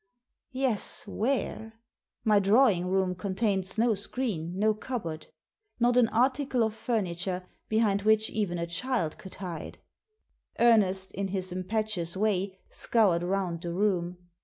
Yes, where? My drawing room contains no screen, no cupboard. Not an article of furniture behind which even a child could hide. Ernest, in his impetuous way, scoured round the room.